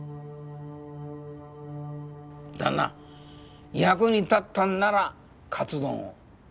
旦那役に立ったんならカツ丼を。